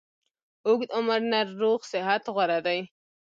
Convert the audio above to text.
اوږد عمر نه روغ صحت غوره ده